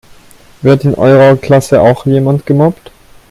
Wird in eurer Klasse auch jemand gemobbt?